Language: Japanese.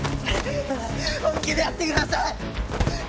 本気でやってください！